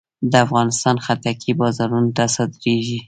د افغانستان خټکی بازارونو ته صادرېږي.